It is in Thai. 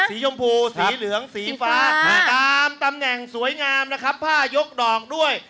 ชมพูสีเหลืองสีฟ้าตามตำแหน่งสวยงามนะครับผ้ายกดอกด้วย